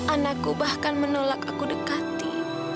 anakku bahkan menolak aku dekati